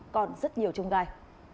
còn rất nhiều chung gai